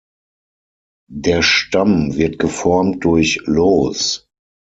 Der Stamm wird geformt durch "los".